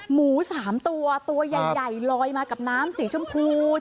หมู๓ตัวตัวใหญ่ลอยมากับน้ำสีชมพู